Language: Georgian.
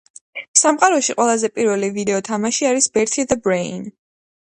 სამყაროში ყველაზე პირველი ვიდეო თამაში არის "Bertie the Brain"